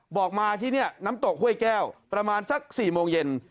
บอกมาที่นี่น้ำตกห้วยแก้วประมาณสัก๔โมงเย็น